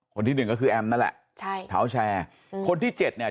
คนที่หนึ่งก็คือแอมนั่นแหละใช่เท้าแชร์อืมคนที่เจ็ดเนี่ย